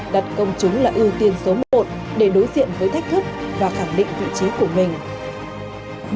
đặt công chúng là ưu tiên số một để đối diện với thách thức và khẳng định vị trí của mình